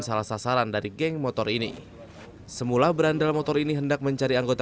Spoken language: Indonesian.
salah sasaran dari geng motor ini semula berandal motor ini hendak mencari anggota